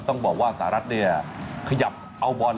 ต้องบอกว่าสหรัฐเนี่ยขยับเอาบอล